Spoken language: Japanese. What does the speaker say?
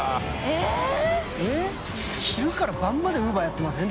昼から晩までウーバーやってません？